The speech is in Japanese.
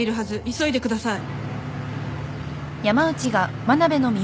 急いでください。